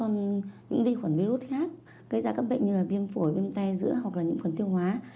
những vi khuẩn virus khác gây ra các bệnh như là viêm phổi viêm te giữa hoặc là những khuẩn tiêu hóa